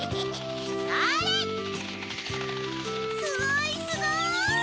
すごいすごい！